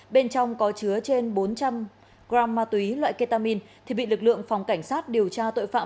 bên trong có chứa trên bốn trăm linh g ma túy loại ketamin thì bị lực lượng phòng cảnh sát điều tra tội phạm